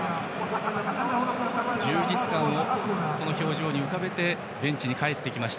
充実感をその表情に浮かべてベンチに帰ってきました。